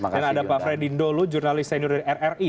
dan ada pak fredy ndolu jurnalist senior dari rri